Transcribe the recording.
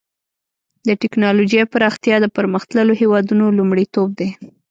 د ټکنالوجۍ پراختیا د پرمختللو هېوادونو لومړیتوب دی.